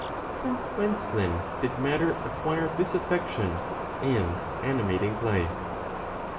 From whence then did matter acquire this affection and animating life?